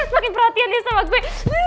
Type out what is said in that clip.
makin perhatian dia sama gue